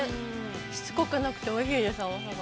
しつこくなくて、おいしいです、甘さが。